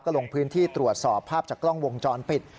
ลงพื้นที่ตรวจสอบภาพจากกล้องวงจรปิด